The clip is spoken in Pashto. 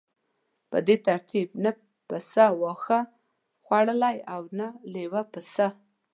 په دې ترتیب نه پسه واښه خوړلی او نه لیوه پسه.